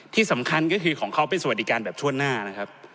ที่สำคัญก็คือของเขาเป็นสวัสดิการแบบชั่วหน้านะครับ